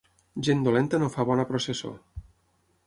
Gent dolenta no fa bona processó.